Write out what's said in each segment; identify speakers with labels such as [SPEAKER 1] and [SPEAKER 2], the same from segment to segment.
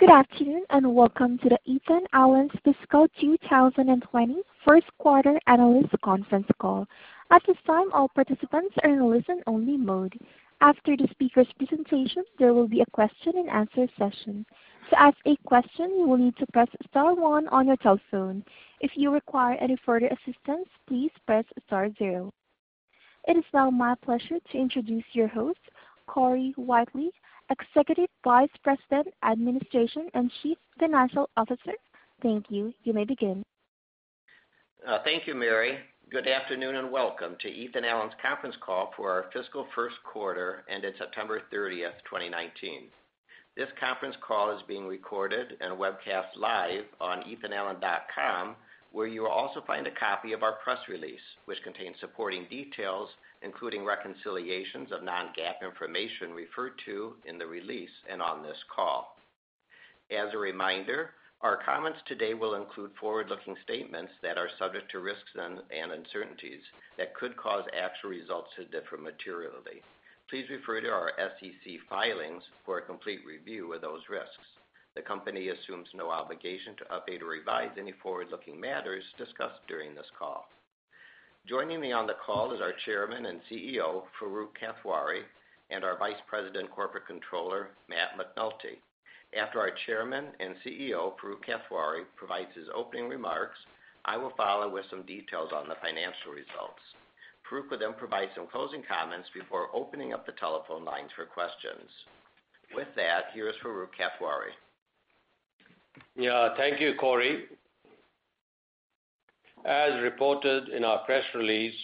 [SPEAKER 1] Good afternoon. Welcome to the Ethan Allen's Fiscal 2020 first quarter analyst conference call. At this time, all participants are in listen-only mode. After the speaker's presentation, there will be a question and answer session. To ask a question, you will need to press star one on your telephone. If you require any further assistance, please press star zero. It is now my pleasure to introduce your host, Corey Whitely, Executive Vice President, Administration, and Chief Financial Officer. Thank you. You may begin.
[SPEAKER 2] Thank you, Mary. Good afternoon, and welcome to Ethan Allen's conference call for our fiscal first quarter ended September 30th, 2019. This conference call is being recorded and webcast live on ethanallen.com, where you will also find a copy of our press release, which contains supporting details, including reconciliations of non-GAAP information referred to in the release and on this call. As a reminder, our comments today will include forward-looking statements that are subject to risks and uncertainties that could cause actual results to differ materially. Please refer to our SEC filings for a complete review of those risks. The company assumes no obligation to update or revise any forward-looking matters discussed during this call. Joining me on the call is our Chairman and CEO, Farooq Kathwari, and our Vice President, Corporate Controller, Matt McNulty. After our Chairman and CEO, Farooq Kathwari, provides his opening remarks, I will follow with some details on the financial results. Farooq will then provide some closing comments before opening up the telephone lines for questions. With that, here is Farooq Kathwari.
[SPEAKER 3] Yeah. Thank you, Corey. As reported in our press release,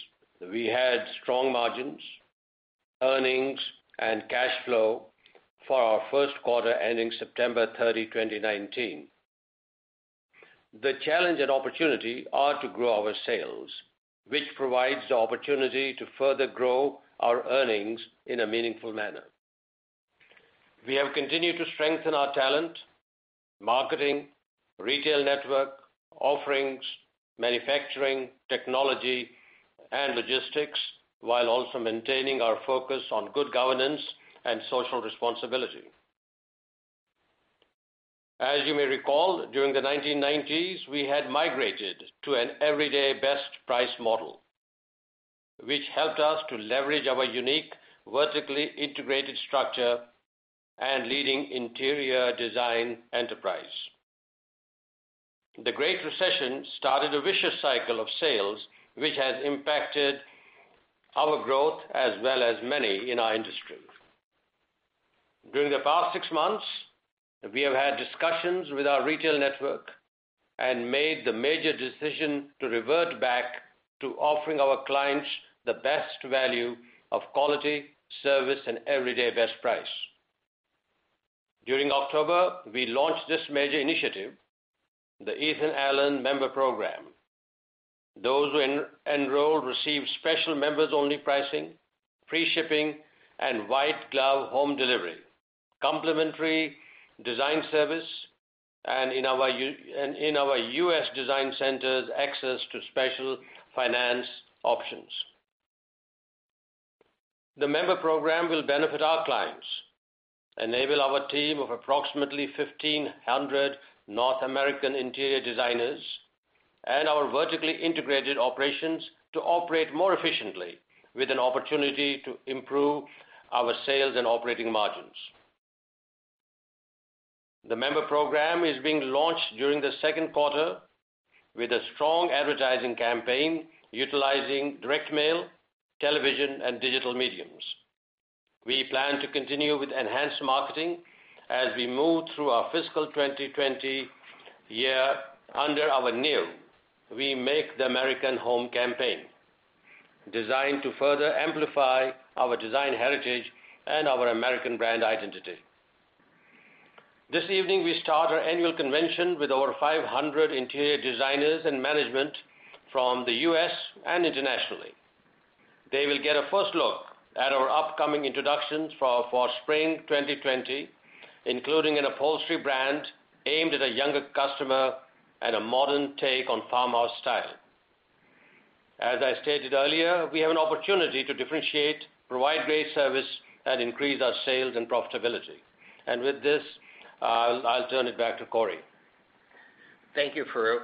[SPEAKER 3] we had strong margins, earnings, and cash flow for our first quarter ending September 30, 2019. The challenge and opportunity are to grow our sales, which provides the opportunity to further grow our earnings in a meaningful manner. We have continued to strengthen our talent, marketing, retail network, offerings, manufacturing, technology, and logistics, while also maintaining our focus on good governance and social responsibility. As you may recall, during the 1990s, we had migrated to an everyday best price model, which helped us to leverage our unique vertically integrated structure and leading interior design enterprise. The Great Recession started a vicious cycle of sales, which has impacted our growth as well as many in our industry. During the past six months, we have had discussions with our retail network and made the major decision to revert back to offering our clients the best value of quality, service, and everyday best price. During October, we launched this major initiative, the Ethan Allen Member Program. Those who enroll receive special members-only pricing, free shipping, and white glove home delivery, complimentary design service, and in our U.S. design centers, access to special finance options. The Member Program will benefit our clients, enable our team of approximately 1,500 North American interior designers, and our vertically integrated operations to operate more efficiently with an opportunity to improve our sales and operating margins. The Member Program is being launched during the second quarter with a strong advertising campaign utilizing direct mail, television, and digital mediums. We plan to continue with enhanced marketing as we move through our fiscal 2020 year under our new We Make the American Home campaign, designed to further amplify our design heritage and our American brand identity. This evening, we start our annual convention with over 500 interior designers and management from the U.S. and internationally. They will get a first look at our upcoming introductions for spring 2020, including an upholstery brand aimed at a younger customer and a modern take on farmhouse style. As I stated earlier, we have an opportunity to differentiate, provide great service, and increase our sales and profitability. With this, I'll turn it back to Corey.
[SPEAKER 2] Thank you, Farooq.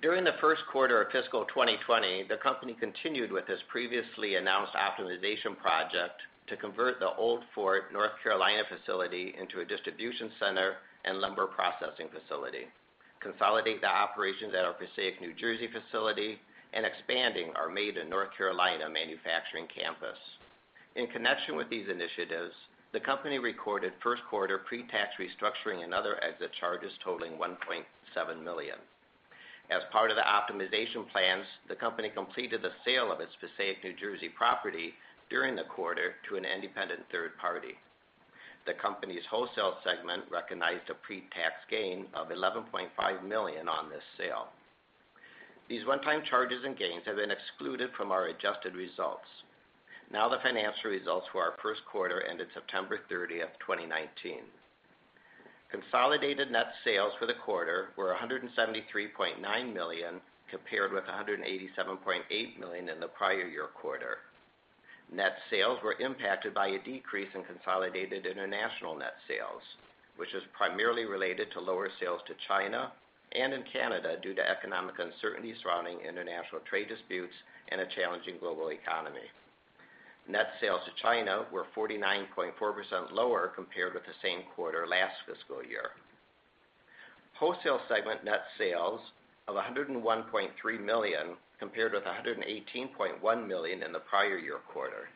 [SPEAKER 2] During the first quarter of fiscal 2020, the company continued with its previously announced optimization project to convert the Old Fort, North Carolina, facility into a distribution center and lumber processing facility, consolidate the operations at our Passaic, New Jersey, facility, and expanding our made-in-North Carolina manufacturing campus. In connection with these initiatives, the company recorded first quarter pre-tax restructuring and other exit charges totaling $1.7 million. As part of the optimization plans, the company completed the sale of its Passaic, New Jersey, property during the quarter to an independent third party. The company's wholesale segment recognized a pre-tax gain of $11.5 million on this sale. These one-time charges and gains have been excluded from our adjusted results. Now the financial results for our first quarter ended September 30th, 2019. Consolidated net sales for the quarter were $173.9 million, compared with $187.8 million in the prior year quarter. Net sales were impacted by a decrease in consolidated international net sales, which is primarily related to lower sales to China and in Canada due to economic uncertainty surrounding international trade disputes and a challenging global economy. Net sales to China were 49.4% lower compared with the same quarter last fiscal year. Wholesale segment net sales of $101.3 million compared with $118.1 million in the prior year quarter.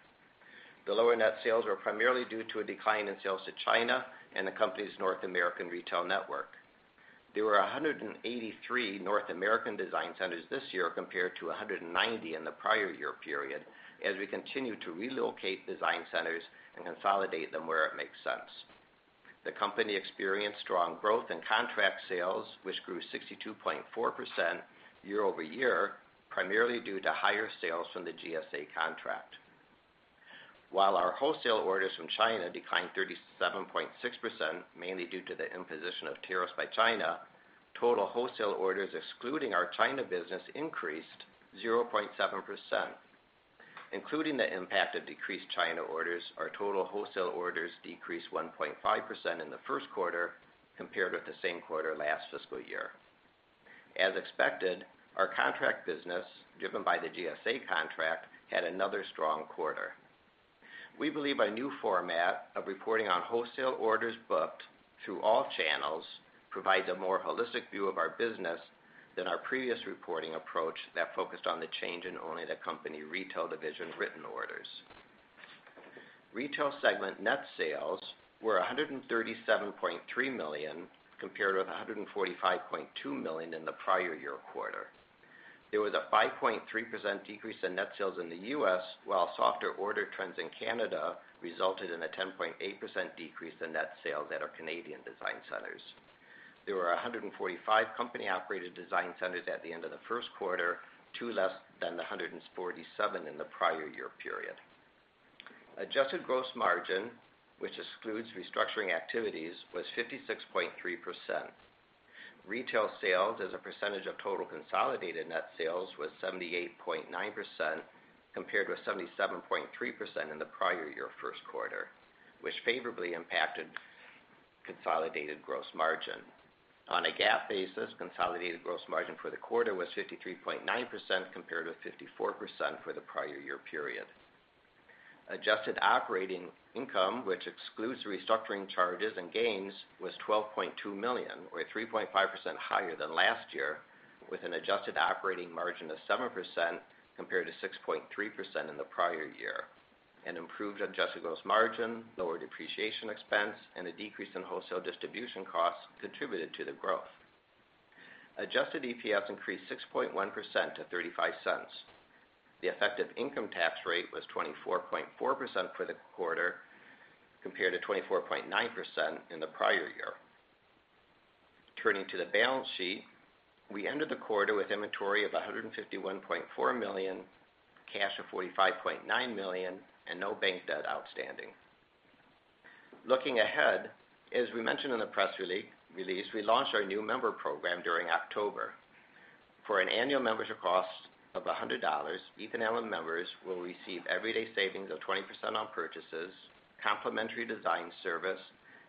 [SPEAKER 2] The lower net sales were primarily due to a decline in sales to China and the company's North American retail network. There were 183 North American design centers this year compared to 190 in the prior year period, as we continue to relocate design centers and consolidate them where it makes sense. The company experienced strong growth in contract sales, which grew 62.4% year-over-year, primarily due to higher sales from the GSA contract. While our wholesale orders from China declined 37.6%, mainly due to the imposition of tariffs by China, total wholesale orders excluding our China business increased 0.7%. Including the impact of decreased China orders, our total wholesale orders decreased 1.5% in the first quarter compared with the same quarter last fiscal year. As expected, our contract business, driven by the GSA contract, had another strong quarter. We believe a new format of reporting on wholesale orders booked through all channels provides a more holistic view of our business than our previous reporting approach that focused on the change in only the company retail division written orders. Retail segment net sales were $137.3 million, compared with $145.2 million in the prior year quarter. There was a 5.3% decrease in net sales in the U.S., while softer order trends in Canada resulted in a 10.8% decrease in net sales at our Canadian design centers. There were 145 company-operated design centers at the end of the first quarter, two less than the 147 in the prior year period. Adjusted gross margin, which excludes restructuring activities, was 56.3%. Retail sales as a percentage of total consolidated net sales was 78.9%, compared with 77.3% in the prior year first quarter, which favorably impacted consolidated gross margin. On a GAAP basis, consolidated gross margin for the quarter was 53.9% compared with 54% for the prior year period. Adjusted operating income, which excludes restructuring charges and gains, was $12.2 million, or 3.5% higher than last year, with an adjusted operating margin of 7% compared to 6.3% in the prior year. An improved adjusted gross margin, lower depreciation expense, and a decrease in wholesale distribution costs contributed to the growth. Adjusted EPS increased 6.1% to $0.35. The effective income tax rate was 24.4% for the quarter, compared to 24.9% in the prior year. Turning to the balance sheet, we ended the quarter with inventory of $151.4 million, cash of $45.9 million, and no bank debt outstanding. Looking ahead, as we mentioned in the press release, we launched our new Ethan Allen Member Program during October. For an annual membership cost of $100, Ethan Allen members will receive everyday savings of 20% on purchases, complimentary design service,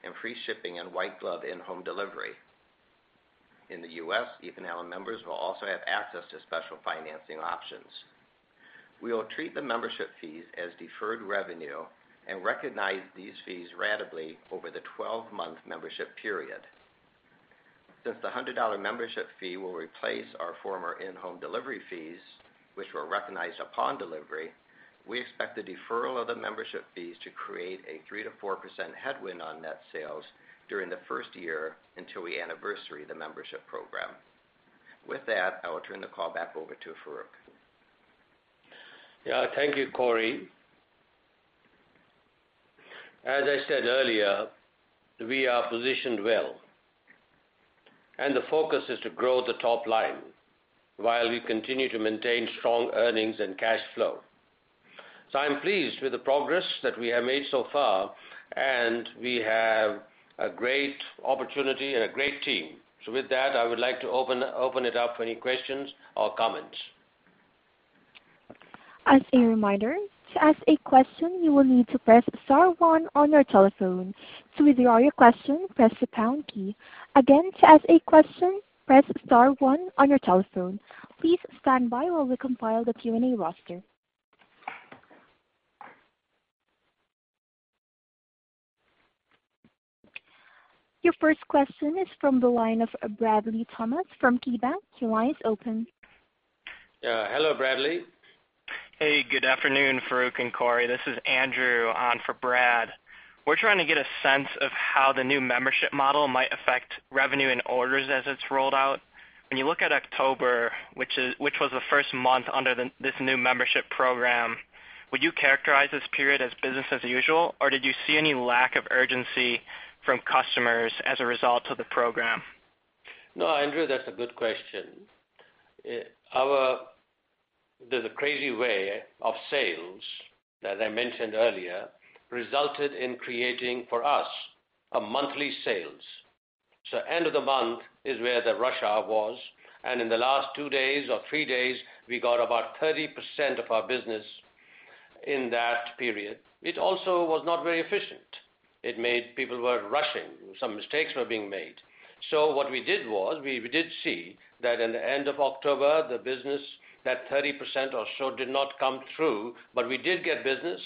[SPEAKER 2] and free shipping and white glove in-home delivery. In the U.S., Ethan Allen members will also have access to special financing options. We will treat the membership fees as deferred revenue and recognize these fees ratably over the 12-month membership period. Since the $100 membership fee will replace our former in-home delivery fees, which were recognized upon delivery, we expect the deferral of the membership fees to create a 3%-4% headwind on net sales during the first year until we anniversary the Ethan Allen Member Program. With that, I will turn the call back over to Farooq.
[SPEAKER 3] Yeah. Thank you, Corey. As I said earlier, we are positioned well, and the focus is to grow the top line while we continue to maintain strong earnings and cash flow. I'm pleased with the progress that we have made so far, and we have a great opportunity and a great team. With that, I would like to open it up for any questions or comments.
[SPEAKER 1] As a reminder, to ask a question, you will need to press star one on your telephone. To withdraw your question, press the pound key. Again, to ask a question, press star one on your telephone. Please stand by while we compile the Q&A roster. Your first question is from the line of Bradley Thomas from KeyBanc. Your line is open.
[SPEAKER 3] Yeah. Hello, Bradley.
[SPEAKER 4] Hey. Good afternoon, Farooq and Corey. This is Andrew on for Brad. We're trying to get a sense of how the new membership model might affect revenue and orders as it's rolled out. When you look at October, which was the first month under this new Membership Program, would you characterize this period as business as usual, or did you see any lack of urgency from customers as a result of the Program?
[SPEAKER 3] No, Andrew, that's a good question. There's a crazy way of sales that I mentioned earlier, resulted in creating for us a monthly sales. End of the month is where the rush hour was, and in the last two days or three days, we got about 30% of our business in that period. It also was not very efficient. It made people were rushing. Some mistakes were being made. What we did was, we did see that in the end of October, the business, that 30% or so did not come through, but we did get business.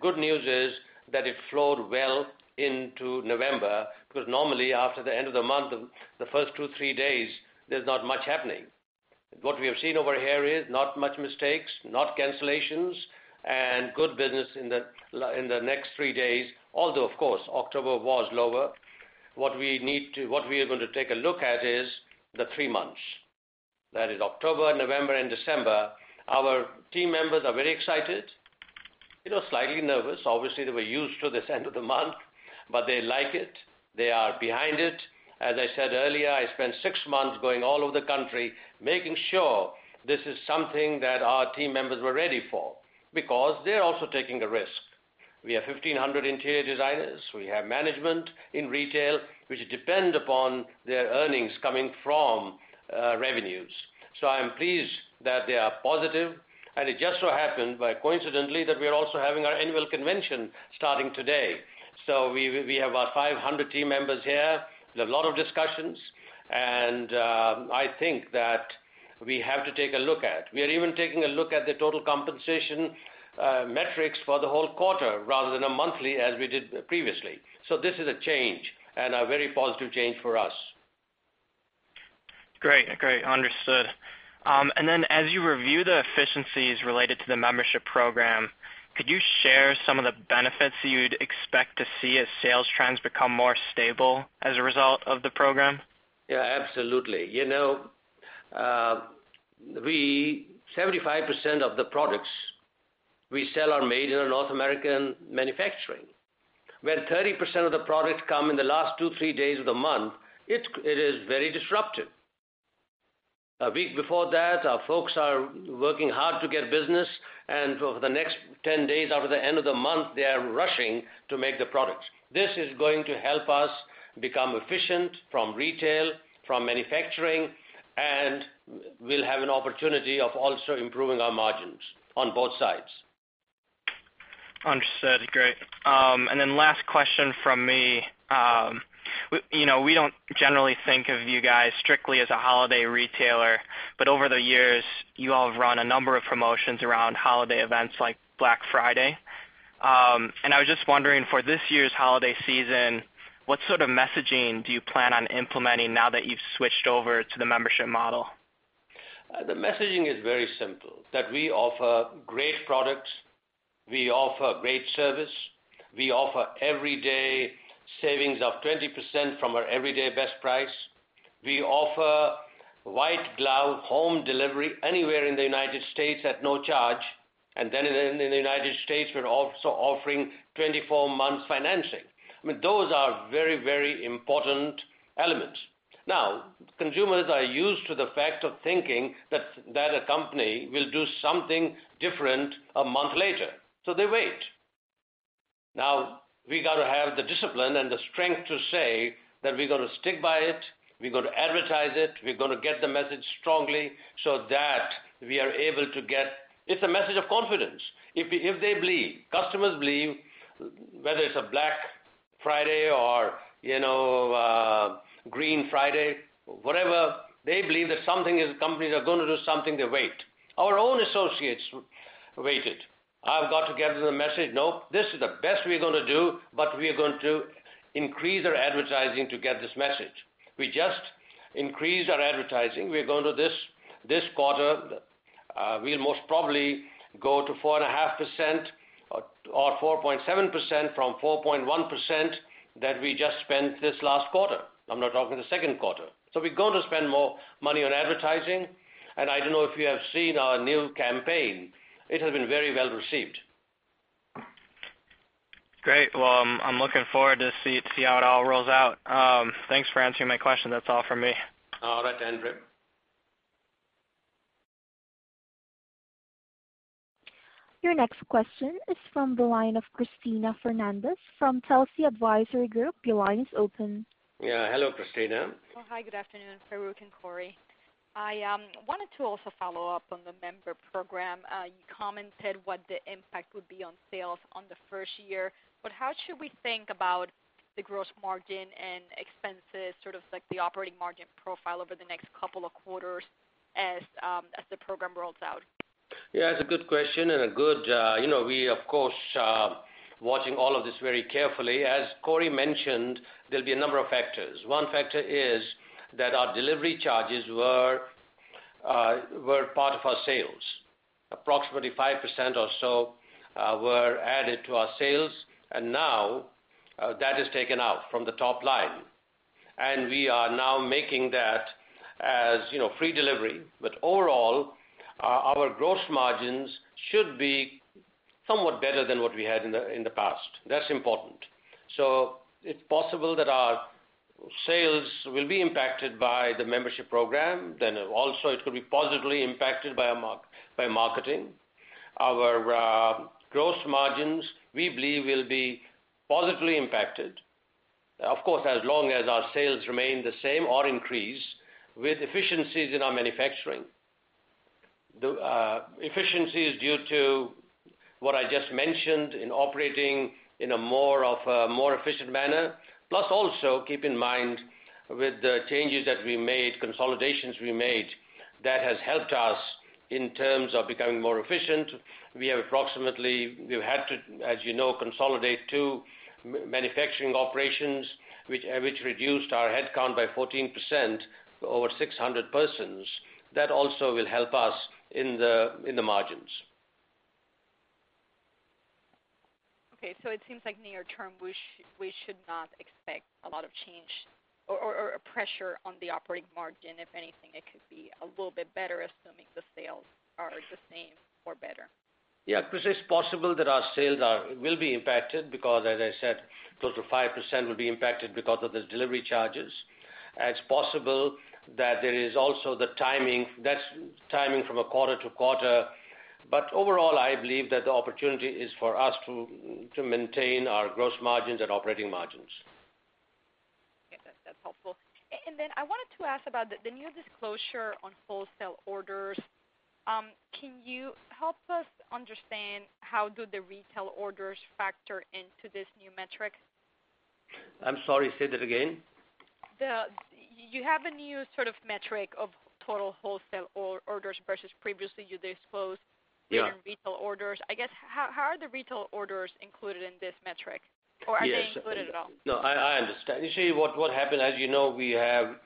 [SPEAKER 3] Good news is that it flowed well into November, because normally after the end of the month, the first two, three days, there's not much happening. What we have seen over here is not much mistakes, not cancellations, and good business in the next three days. Although, of course, October was lower. What we are going to take a look at is the three months. That is October, November and December. Our team members are very excited. Slightly nervous. Obviously, they were used to this end of the month, but they like it. They are behind it. As I said earlier, I spent six months going all over the country, making sure this is something that our team members were ready for, because they're also taking a risk. We have 1,500 interior designers. We have management in retail, which depend upon their earnings coming from revenues. I am pleased that they are positive. It just so happened, by coincidentally, that we are also having our annual convention starting today. We have our 500 team members here. There's a lot of discussions, and I think that we have to take a look at. We are even taking a look at the total compensation metrics for the whole quarter rather than a monthly as we did previously. This is a change and a very positive change for us.
[SPEAKER 4] Great. Understood. Then as you review the efficiencies related to the membership program, could you share some of the benefits you'd expect to see as sales trends become more stable as a result of the program?
[SPEAKER 3] Yeah, absolutely. 75% of the products we sell are made in a North American manufacturing. When 30% of the products come in the last two, three days of the month, it is very disruptive. A week before that, our folks are working hard to get business, and for the next 10 days after the end of the month, they are rushing to make the products. This is going to help us become efficient from retail, from manufacturing, and we'll have an opportunity of also improving our margins on both sides.
[SPEAKER 4] Understood. Great. Last question from me. We don't generally think of you guys strictly as a holiday retailer, but over the years, you all have run a number of promotions around holiday events like Black Friday. I was just wondering, for this year's holiday season, what sort of messaging do you plan on implementing now that you've switched over to the membership model?
[SPEAKER 3] The messaging is very simple. That we offer great products, we offer great service. We offer everyday savings of 20% from our everyday best price. We offer white glove home delivery anywhere in the United States at no charge. In the United States, we're also offering 24 months financing. Those are very important elements. Consumers are used to the fact of thinking that a company will do something different a month later, so they wait. We got to have the discipline and the strength to say that we're going to stick by it, we're going to advertise it, we're going to get the message strongly so that we are able to. It's a message of confidence. If they believe, customers believe, whether it's a Black Friday or Green Friday, whatever, they believe that companies are going to do something, they wait. Our own associates waited. I've got to get the message, "No, this is the best we're going to do, but we are going to increase our advertising to get this message." We just increased our advertising. We're going to this quarter, we'll most probably go to 4.5% or 4.7% from 4.1% that we just spent this last quarter. I'm not talking the second quarter. We're going to spend more money on advertising. I don't know if you have seen our new campaign. It has been very well received.
[SPEAKER 4] Great. Well, I'm looking forward to see how it all rolls out. Thanks for answering my question. That's all from me.
[SPEAKER 3] All right then, Andrew
[SPEAKER 1] Your next question is from the line of Cristina Fernández from Telsey Advisory Group. Your line is open.
[SPEAKER 3] Yeah. Hello, Cristina.
[SPEAKER 5] Hi, good afternoon, Farooq and Corey. I wanted to also follow up on the Member Program. How should we think about the gross margin and expenses, sort of like the operating margin profile over the next couple of quarters as the program rolls out?
[SPEAKER 3] Yeah, it's a good question. We, of course, watching all of this very carefully. As Corey mentioned, there'll be a number of factors. One factor is that our delivery charges were part of our sales. Approximately 5% or so were added to our sales, now that is taken out from the top line. We are now making that as free delivery. Overall, our gross margins should be somewhat better than what we had in the past. That's important. It's possible that our sales will be impacted by the Membership Program. Also it could be positively impacted by marketing. Our gross margins, we believe will be positively impacted, of course, as long as our sales remain the same or increase, with efficiencies in our manufacturing. The efficiencies due to what I just mentioned in operating in a more efficient manner, plus also, keep in mind, with the changes that we made, consolidations we made, that has helped us in terms of becoming more efficient. We've had to, as you know, consolidate two manufacturing operations, which reduced our headcount by 14%, over 600 persons. That also will help us in the margins.
[SPEAKER 5] It seems like near term, we should not expect a lot of change or pressure on the operating margin. If anything, it could be a little bit better, assuming the sales are the same or better.
[SPEAKER 3] Cristina, it's possible that our sales will be impacted because, as I said, close to 5% will be impacted because of the delivery charges. It's possible that there is also the timing. That's timing from a quarter to quarter. Overall, I believe that the opportunity is for us to maintain our gross margins and operating margins.
[SPEAKER 5] Yeah. That's helpful. I wanted to ask about the new disclosure on wholesale orders. Can you help us understand how do the retail orders factor into this new metric?
[SPEAKER 3] I'm sorry, say that again.
[SPEAKER 5] You have a new sort of metric of total wholesale orders versus previously you disclosed.
[SPEAKER 3] Yeah
[SPEAKER 5] your retail orders. I guess, how are the retail orders included in this metric? Are they?
[SPEAKER 3] Yes
[SPEAKER 5] included at all?
[SPEAKER 3] No, I understand. You see, what happened, as you know, we have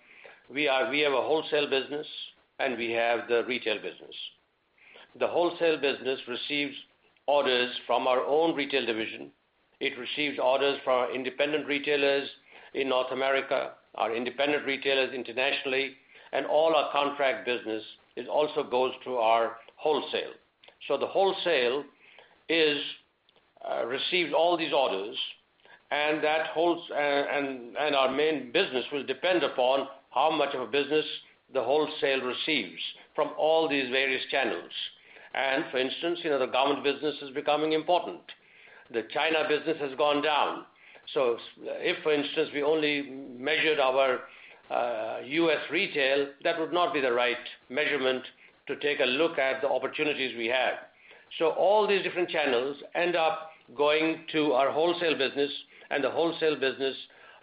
[SPEAKER 3] a wholesale business, and we have the retail business. The wholesale business receives orders from our own retail division. It receives orders from our independent retailers in North America, our independent retailers internationally, and all our contract business, it also goes to our wholesale. The wholesale receives all these orders, and our main business will depend upon how much of a business the wholesale receives from all these various channels. For instance, the government business is becoming important. The China business has gone down. If, for instance, we only measured our U.S. retail, that would not be the right measurement to take a look at the opportunities we have. All these different channels end up going to our wholesale business, and the wholesale business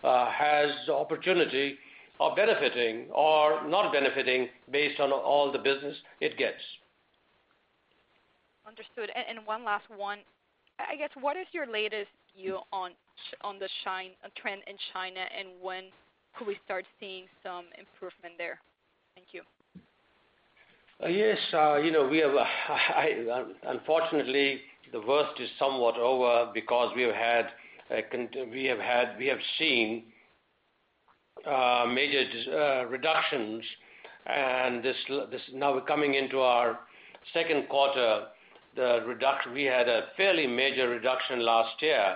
[SPEAKER 3] has the opportunity of benefiting or not benefiting based on all the business it gets.
[SPEAKER 5] Understood. One last one. I guess, what is your latest view on the trend in China, and when could we start seeing some improvement there? Thank you.
[SPEAKER 3] Yes. Unfortunately, the worst is somewhat over because we have seen major reductions, and now we're coming into our second quarter. We had a fairly major reduction last year.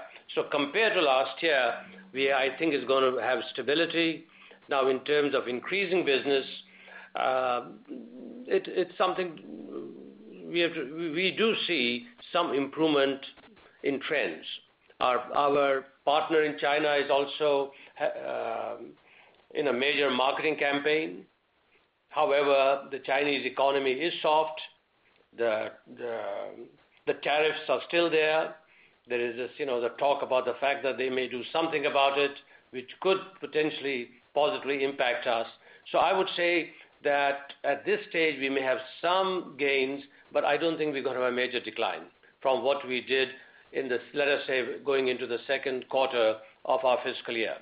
[SPEAKER 3] Compared to last year, I think it's going to have stability. Now, in terms of increasing business, it's something we do see some improvement in trends. Our partner in China is also in a major marketing campaign. However, the Chinese economy is soft. The tariffs are still there. There is this talk about the fact that they may do something about it, which could potentially positively impact us. I would say that at this stage, we may have some gains, but I don't think we're going to have a major decline from what we did in the, let us say, going into the second quarter of our fiscal year.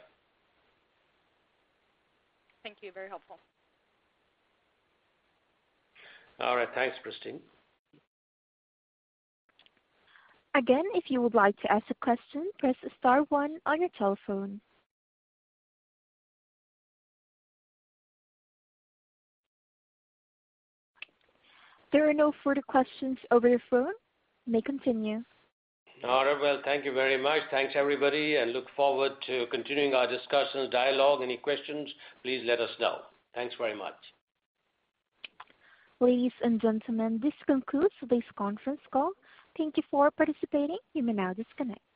[SPEAKER 5] Thank you. Very helpful.
[SPEAKER 3] All right. Thanks, Cristina.
[SPEAKER 1] Again, if you would like to ask a question, press star one on your telephone. There are no further questions over the phone. You may continue.
[SPEAKER 3] All right. Well, thank you very much. Thanks, everybody, and look forward to continuing our discussion, dialogue. Any questions, please let us know. Thanks very much.
[SPEAKER 1] Ladies and gentlemen, this concludes this conference call. Thank you for participating. You may now disconnect.